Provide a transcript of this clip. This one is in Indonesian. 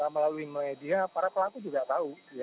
melalui media para pelaku juga tahu